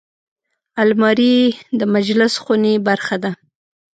الماري د مجلس خونې برخه ده